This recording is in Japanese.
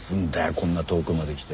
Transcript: こんな遠くまで来て。